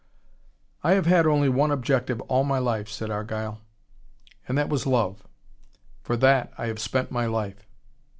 "I have had only one objective all my life," said Argyle. "And that was love. For that I have spent my life."